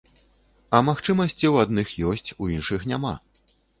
А магчымасці ў адных ёсць, у іншых няма.